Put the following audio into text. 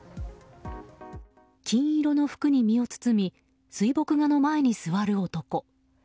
金色の服に身を包み水墨画の前に座る男。